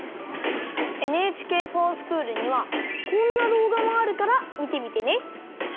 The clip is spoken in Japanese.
ＮＨＫｆｏｒＳｃｈｏｏｌにはこんなどうがもあるからみてみてね。